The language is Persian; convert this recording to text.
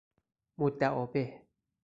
مدعابه